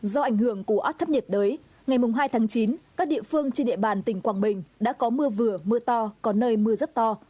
do ảnh hưởng của áp thấp nhiệt đới ngày hai tháng chín các địa phương trên địa bàn tỉnh quảng bình đã có mưa vừa mưa to có nơi mưa rất to